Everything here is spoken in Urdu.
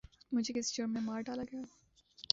مجھے کس جرم میں مار ڈالا گیا؟